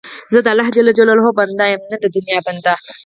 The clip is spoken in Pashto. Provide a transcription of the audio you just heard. زه د الله جل جلاله بنده یم، نه د دنیا بنده.